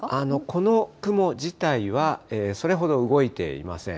この雲自体はそれほど動いていません。